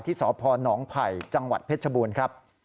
สพนไผ่จังหวัดเพชรบูรณ์ครับ